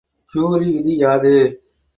Curie விதி யாது?